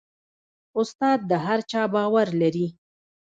استاد د هر چا باور لري.